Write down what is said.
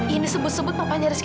yang disebut sebut papanya rizky